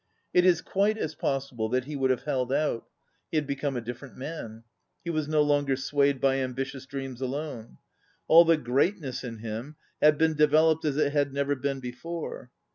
It is quite as possible that he would have held out. He had become a different man; he was no longer swayed by ambitious dreams alone. All the greatness in him had been developed as it had never been before.